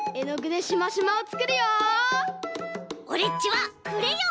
オレっちはクレヨン！